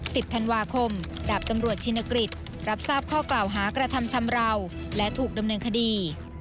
สิบธันวาคมดาบตำรวจชินกฤษรับทราบข้อกล่าวหากระทำชำราวและถูกดำเนินคดี